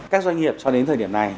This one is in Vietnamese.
các doanh nghiệp so với thời điểm này